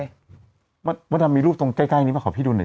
มดดำมีรูปตรงใกล้นี้มาขอพี่ดูหน่อย